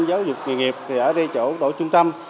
giáo dục nghề nghiệp thì ở đây chỗ đội trung tâm